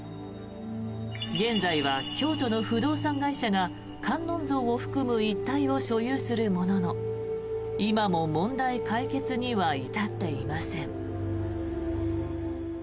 現在は京都の不動産会社が観音像を含む一帯を所有するものの、今も問題解決には至っていません。